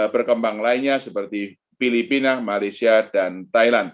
berkembang lainnya seperti filipina malaysia dan thailand